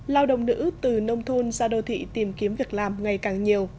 lao động nữ từ nông thôn ra đô thị tìm kiếm việc làm ngày càng nhiều